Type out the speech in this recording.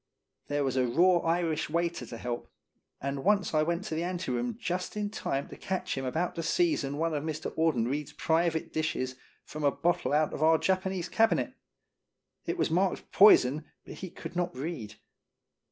There was a raw Irish waiter to help, and once I went into the anteroom just in time to catch him about to season one of Mr. Audenried's private dishes from a bottle out of our Japanese cabinet. It was marked " Poison, " but he could not read.